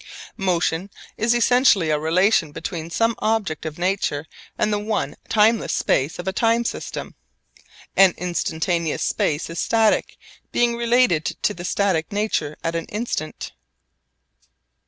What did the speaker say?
Motion is essentially a relation between some object of nature and the one timeless space of a time system. An instantaneous space is static, being related to the static nature at an instant.